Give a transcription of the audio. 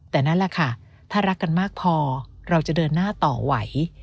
แต่นั่นแหละค่ะถ้ารักกันมากพอเราจะเดินหน้าต่อไหว